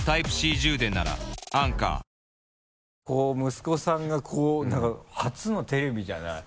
息子さんがこう初のテレビじゃない。